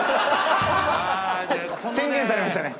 宣言されましたね。